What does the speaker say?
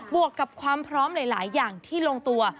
วกกับความพร้อมหลายอย่างที่ลงตัว